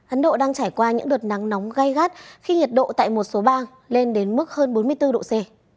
ấn độ đang trải qua những đợt nắng nóng gai gắt khi nhiệt độ tại một số bang lên đến mức hơn bốn mươi bốn độ c